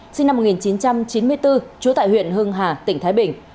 sinh năm một nghìn chín trăm chín mươi bốn trú tại huyện hưng hà tỉnh thái bình